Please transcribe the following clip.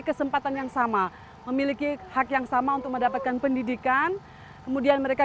kesempatan yang sama memiliki hak yang sama untuk mendapatkan pendidikan kemudian mereka